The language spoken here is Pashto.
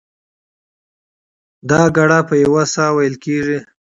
دا ګړه په یوه ساه وېل کېږي.